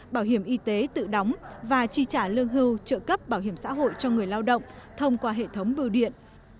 bảo hiểm y tế tự đóng và chi trả lương hưu trợ cấp bảo hiểm xã hội cho người lao động thông qua hệ thống bưu điện